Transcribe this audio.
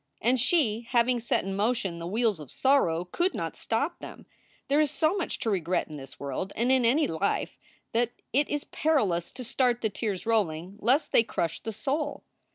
And she, having set in motion the wheels of sorrow, could not stop them. There is so much to regret in this world and in any life, that it is perilous to start the tears rolling, lest they crush the soul.